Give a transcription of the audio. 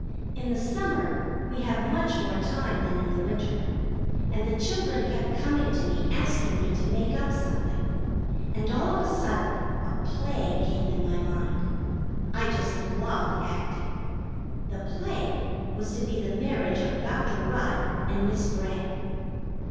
In the summer we have much more time than in the winter, and the children kept coming to me asking me to make up something, and all of a sudden a play came in my mind. I just love acting. The play was to be the marriage of Dr. Rudd and Miss Bray.